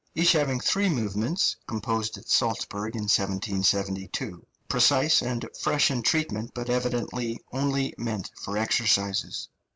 each having three movements, composed at Salzburg in 1772, precise and fresh in treatment, but evidently only meant for exercises.